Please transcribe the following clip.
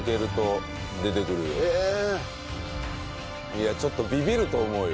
いやちょっとビビると思うよ。